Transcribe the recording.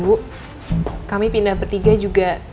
bu kami pindah bertiga juga